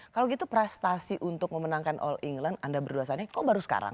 kalau gitu prestasi untuk memenangkan all england anda berdua saat ini kok baru sekarang